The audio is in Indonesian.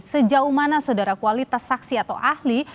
sejauh mana saudara kualitas saksi atau ahli